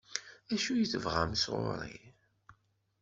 D acu i tebɣam sɣur-i?